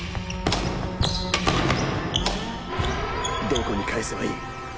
どこに返せばいい？